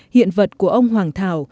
hiện vật của ông hoàng thảo